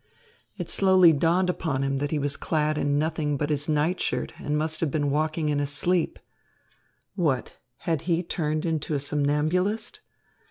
It slowly dawned upon him that he was clad in nothing but his night shirt and must have been walking in his sleep. What, had he turned into a somnambulist!